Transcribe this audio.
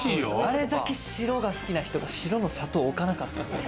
あれだけ白が好きな人が白の砂糖を置かなかった。